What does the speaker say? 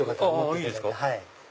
いいですか。